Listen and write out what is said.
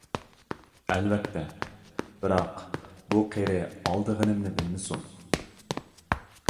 -ئەلۋەتتە، بىراق. بۇ قېرى ئالىدىغىنىمنى بىلمىسۇن.